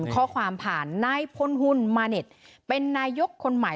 ข้อความผ่านนายพลหุ่นมาเน็ตเป็นนายกคนใหม่